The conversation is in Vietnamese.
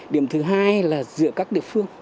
điểm thứ hai là giữa các địa phương